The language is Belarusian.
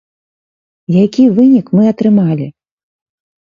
Які вынік мы атрымалі?